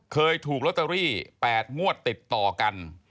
เคยถูกลอตเตอรี่๘งวดติดต่อกัน